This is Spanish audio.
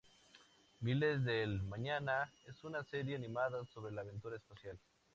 Miles del Mañana es una serie animada sobre la aventura espacial.